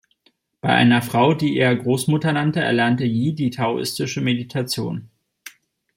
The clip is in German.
Bei einer Frau, die er „Großmutter“ nannte, erlernte Ji die taoistische Meditation.